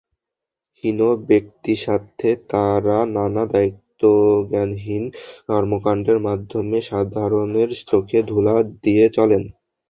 হীন ব্যক্তিস্বার্থে তাঁরা নানা দায়িত্বজ্ঞানহীন কর্মকাণ্ডের মাধ্যমে সাধারণের চোখে ধুলা দিয়ে চলেন।